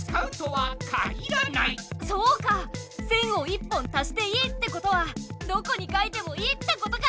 線を１本足していいってことはどこに書いてもいいってことか！